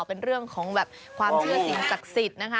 เป็นเรื่องของแบบความเชื่อสิ่งศักดิ์สิทธิ์นะคะ